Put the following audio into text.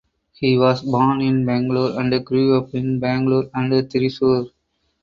He was born in Bangalore and grew up in Bangalore and Thrissur.